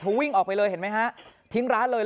ทางที่มาจุ้มเนิน